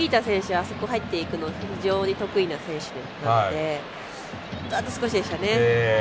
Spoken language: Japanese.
あそこに入っていくの非常に得意な選手なのであと少しでしたね。